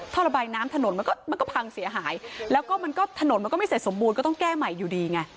ท่อระบายน้ำถนนมันก็มันก็พังเสียหายแล้วก็มันก็ถนนมันก็ไม่เสร็จสมบูรณ์ก็ต้องแก้ใหม่อยู่ดีไง